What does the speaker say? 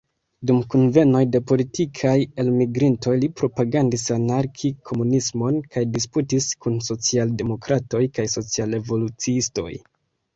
Dum kunvenoj de politikaj elmigrintoj li propagandis anarki-komunismon kaj disputis kun social-demokratoj kaj social-revoluciistoj.